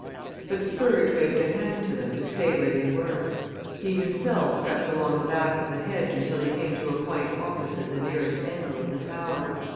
But Spurge waved a hand to them to stay where they were. He himself crept along the back of the hedge until he came to a point opposite the nearest angle of the tower.